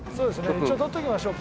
一応撮っておきましょうか。